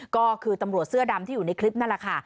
ก็คือตำรวจเสื้อดำที่อยู่ในคลิปนั่นแหละค่ะ